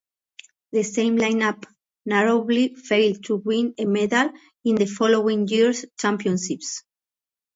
The same line-up narrowly failed to win a medal in the following year's championships.